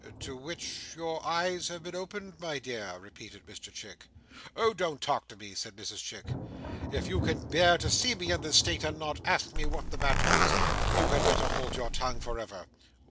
"To which your eyes have been opened, my dear!" repeated Mr Chick. "Oh, don't talk to me!" said Mrs Chic "if you can bear to see me in this state, and not ask me what the matter is, you had better hold your tongue for ever."